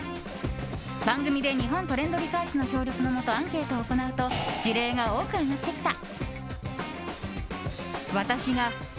番組で日本トレードリサーチの協力のもとアンケートを行うと事例が多く上がってきた。